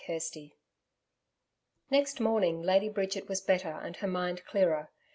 CHAPTER 8 Next morning, Lady Bridget was better and her mind clearer.